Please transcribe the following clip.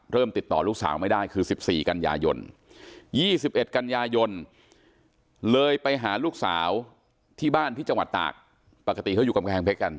เริ่มติดต่อลูกสาวไม่ได้คือสิบสี่กัญญายนยี่สิบเอ็ดกัญญายนเลยไปหาลูกสาวที่บ้านที่จังหวัดตากปกติเขาอยู่กำแกงเพชรกัน